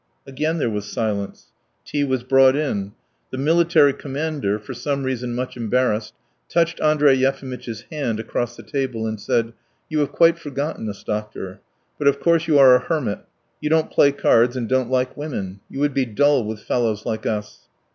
Again there was silence. Tea was brought in. The military commander, for some reason much embarrassed, touched Andrey Yefimitch's hand across the table and said: "You have quite forgotten us, doctor. But of course you are a hermit: you don't play cards and don't like women. You would be dull with fellows like us."